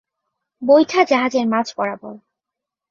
বৈঠা জাহাজের মাঝ বরাবর।